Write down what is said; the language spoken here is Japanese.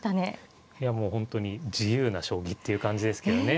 いやもう本当に自由な将棋っていう感じですけどね。